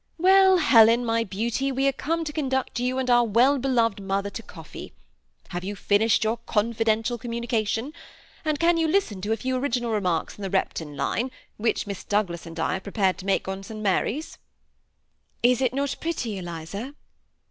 Well, Helen, my beauty, we are come to conduct you and our well beloved mother to coffee. Have you fin ished your confidential communication ? and can you listen to a few original remarks in the Repton line which Miss Douglas and I are prepared to make on St. Mary's?" " Is it not pretty, Eliza